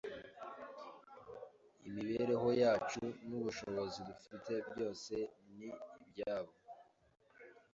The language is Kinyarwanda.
Imibereho yacu n’ubushobozi dufite byose ni ibyayo.